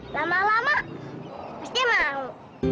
lama lama pasti mau